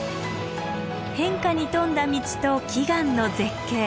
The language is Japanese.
変化に富んだ道と奇岩の絶景。